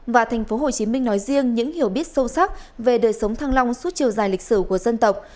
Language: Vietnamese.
và tp hcm nói riêng những hiểu biết sâu sắc về đời sống thăng long suốt chiều dài lịch sử của dân tộc